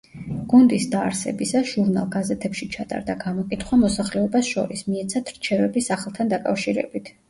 გუნდის დაარსებისას, ჟურნალ-გაზეთებში ჩატარდა გამოკითხვა მოსახლეობას შორის, მიეცათ რჩევები სახელთან დაკავშირებით.